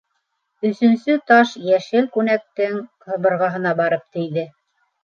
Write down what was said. Өсөнсө таш йәшел күнәктең ҡабырғаһына барып тейҙе.